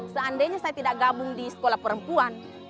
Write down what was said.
seandainya saya tidak gabung di sekolah perempuan